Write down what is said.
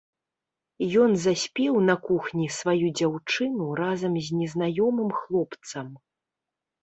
Ён заспеў на кухні сваю дзяўчыну разам з незнаёмым хлопцам.